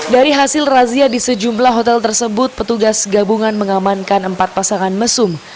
dari hasil razia di sejumlah hotel tersebut petugas gabungan mengamankan empat pasangan mesum